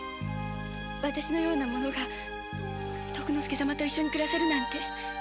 私のような者が徳之助様と一緒に暮らせるなんて夢のようで。